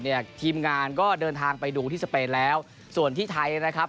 ทีมงานก็เดินทางไปดูที่สเปนแล้วส่วนที่ไทยนะครับ